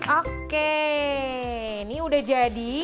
oke ini udah jadi